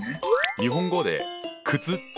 日本語で「靴」って読む